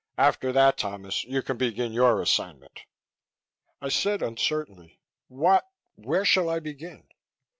After that, Thomas, you can begin your assignment." I said uncertainly, "What where shall I begin?"